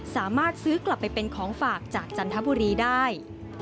สามารถซื้อกลับไปเป็นของฝากจากจันทบุรีได้